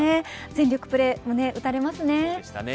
全力プレー、胸打たれますね。